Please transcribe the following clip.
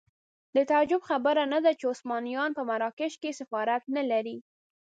د تعجب خبره نه ده چې عثمانیان په مراکش کې سفارت نه لري.